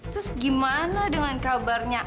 terus gimana dengan kabarnya